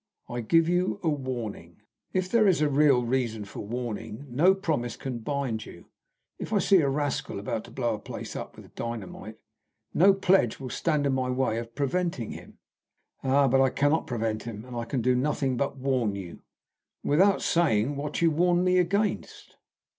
"I give you a warning." "If there is real reason for warning, no promise can bind you. If I see a rascal about to blow a place up with dynamite no pledge will stand in my way of preventing him." "Ah, but I cannot prevent him, and I can do nothing but warn you." "Without saying what you warn me against."